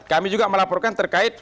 kami juga melaporkan terkait